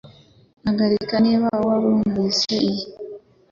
Hagarika niba warumvise iyi